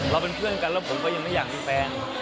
เป็นเพื่อนกันแล้วผมก็ยังไม่อยากมีแฟน